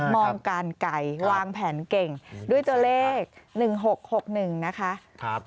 มองการไกลวางแผนเก่งด้วยตัวเลข๑๖๖๑นะคะ